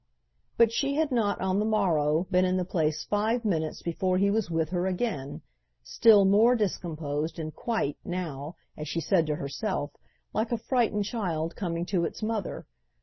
But she had not, on the morrow, been in the place five minutes before he was with her again, still more discomposed and quite, now, as she said to herself, like a frightened child coming to its mother.